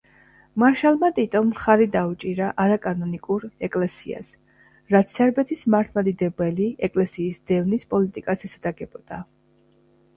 მარშალმა ტიტომ მხარი დაუჭირა არაკანონიკურ ეკლესიას, რაც სერბეთის მართლმადიდებელი ეკლესიის დევნის პოლიტიკას ესადაგებოდა.